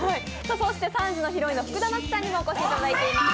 そして３時のヒロインの福田麻貴さんにもお越しいただいています。